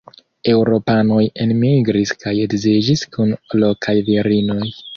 Eŭropanoj enmigris kaj edziĝis kun lokaj virinoj.